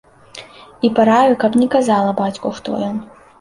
І параіў, каб не казала бацьку, хто ён.